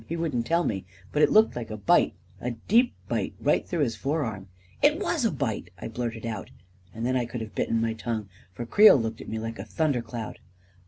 He wouldn't tell me, but it looked like a bite — a deep bite right through his forearm." u It was a bitel " I blurted out; and then I could have bitten my tongue, for Creel looked at me like a thunder cloud.